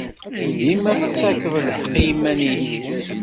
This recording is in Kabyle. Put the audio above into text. Dima tettakfeḍ lḥeqq i yiman-nnek.